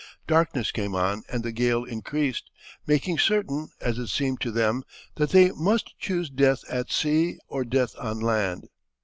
Darkness came on and the gale increased, making certain, as it seemed to them, that they must choose death at sea or death on land.